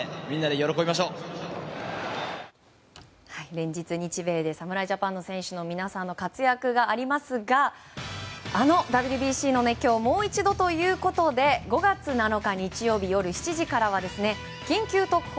連日日米で侍ジャパンの選手の皆さんの活躍がありますがあのＷＢＣの熱狂をもう一度ということで５月７日、日曜日夜７時からは「緊急特報！